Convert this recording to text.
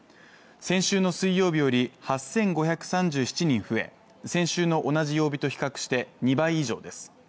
先週の水曜日より８５３７人増え先週の同じ曜日と比較して２倍以上です。